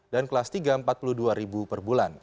dan kelas tiga rp empat puluh dua per bulan